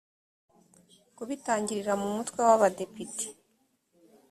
kubitangirira mu mutwe w abadepite